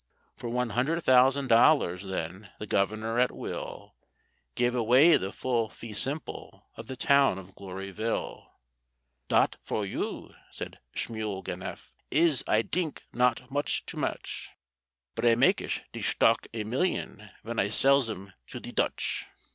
For one hundred thousand dollars then the Governor at will Gave away the full fee simple of the town of Gloryville. "Dat for you," said Schmuel Ganef, "is, I dink, not much too much, But I makesh de shtock a million ven I sells him to the Dutch."